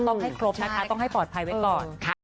ต้องให้ครบนะคะต้องให้ปลอดภัยไว้ก่อนค่ะ